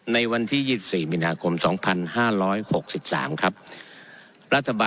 ในวันที่๒๔มีนาคม๒๕๖๓ครับรัฐบาล